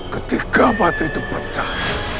ketika batu itu pecah